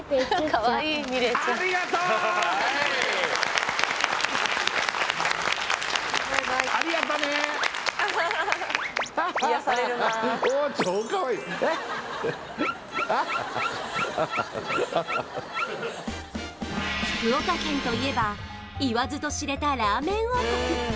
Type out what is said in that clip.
あはははあははは福岡県といえば言わずと知れたラーメン王国